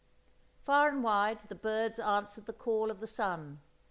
Far and wide the birds answered the call of the sun.